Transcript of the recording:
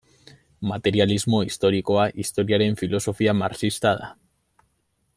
Materialismo historikoa historiaren filosofia marxista da.